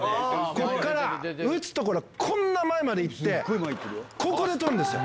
ここから打つところ、こんな前まで行って、ここでとるんですよ。